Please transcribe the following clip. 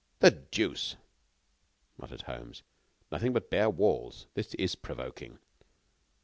"The deuce!" muttered Holmes, "nothing but bare walls. This is provoking."